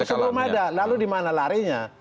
sebelum ada lalu di mana larinya